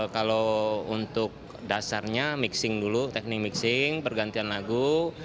kalau untuk dasarnya mixing dulu teknik mixing pergantian lagu